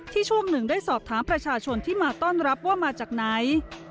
ช่วงหนึ่งได้สอบถามประชาชนที่มาต้อนรับว่ามาจากไหน